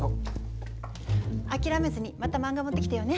諦めずにまた漫画持ってきてよね。